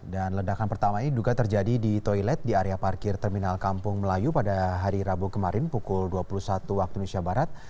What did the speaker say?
dan ledakan pertama ini juga terjadi di toilet di area parkir terminal kampung melayu pada hari rabu kemarin pukul dua puluh satu waktu indonesia barat